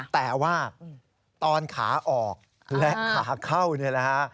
แต่ว่าตอนขาออกและขาเข้า